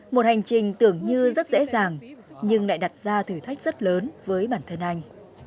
một hành trình tưởng như rất dễ dàng nhưng lại đặt ra thử thách rất lớn với bản thân anh